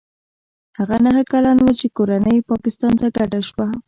هغه نهه کلن و چې کورنۍ یې پاکستان ته کډه شوه.